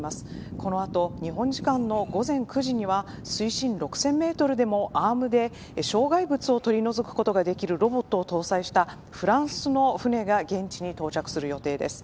この後、日本時間の午前９時には水深６０００メートルでもアームで障害物を取り除くことができるロボットを搭載したフランスの船が現地に到着する予定です。